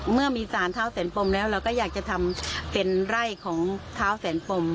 เมื่อมีสารเท้าแสนปมแล้วเราก็อยากจะทำเป็นไร่ของเท้าแสนปม